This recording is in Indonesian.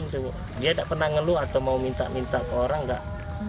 dia tidak pernah ngeluh atau mau minta minta ke orang nggak